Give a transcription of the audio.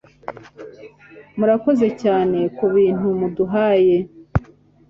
murakoze cyane kubintu muduhaye